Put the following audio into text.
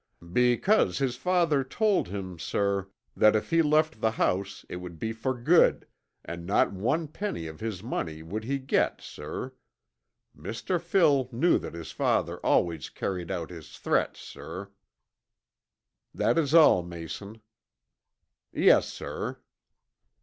"Because his father told him, sir, that if he left the house it would be for good, and not one penny of his money would he get, sir. Mr. Phil knew that his father always carried out his threats, sir." "That is all, Mason." "Yes, sir."